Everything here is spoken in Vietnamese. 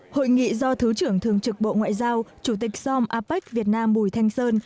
hội nghị do thứ trưởng thường trực bộ ngoại giao chủ tịch som apec việt nam bùi thanh sơn